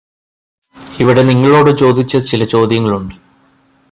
ഇവിടെ നിങ്ങളോട് ചോദിച്ച ചില ചോദ്യങ്ങളുണ്ട്.